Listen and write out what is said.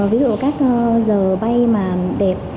ví dụ các giờ bay đẹp